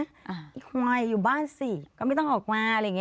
อีกคอยอยู่บ้านสิก็ไม่ต้องออกมาอะไรอย่างเง